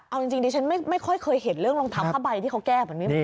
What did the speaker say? เอาจริงดิฉันไม่ค่อยเคยเห็นเรื่องรองเท้าผ้าใบที่เขาแก้มันไม่มี